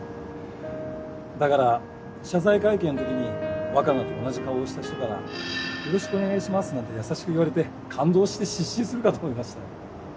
だから謝罪会見のときに若菜と同じ顔をした人から「よろしくお願いします」なんて優しく言われて感動して失神するかと思いましたよ。